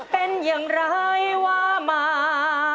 เป็นอย่างไรว่ามา